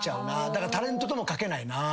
だから「タレント」とも書けないな。